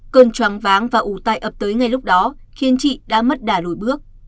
cơn chóng váng và ủ tay ập tới ngay lúc đó khiến chị đã mất đà lùi bước